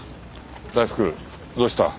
大福どうした？